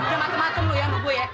gak macem macem lo yang bubuk ya